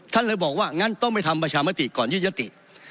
เลยบอกว่างั้นต้องไปทำประชามติก่อนยืดยติ